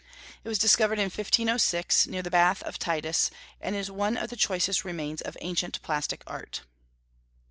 It was discovered in 1506, near the baths of Titus, and is one of the choicest remains of ancient plastic art.